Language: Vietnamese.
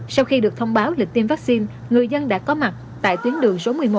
sau khi được thông báo lịch tiêm vaccine người dân đã có mặt tại tuyến đường số một mươi một